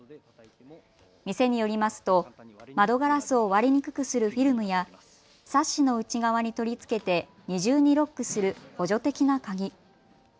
店によりますと、窓ガラスを割れにくくするフィルムやサッシの内側に取り付けて二重にロックする補助的な鍵。